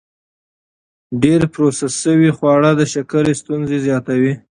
ډېر پروسس شوي خواړه د شکرې ستونزې زیاتوي.